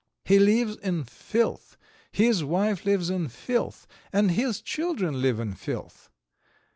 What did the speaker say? He lives in filth, his wife lives in filth, and his children live in filth.